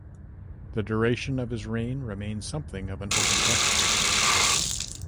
The duration of his reign remains something of an open question.